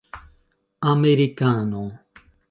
amerikano